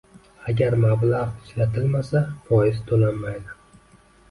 Agar mablag 'ishlatilmasa, foiz to'lanmaydi! 😎